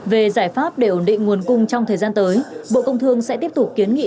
về giải pháp để ổn định nguồn cung trong thời gian tới bộ công thương sẽ tiếp tục kiến nghị